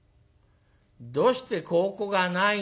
「どうして香香がないの？」。